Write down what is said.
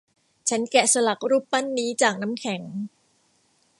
ฉันแกะสลักรูปปั้นนี้จากน้ำแข็ง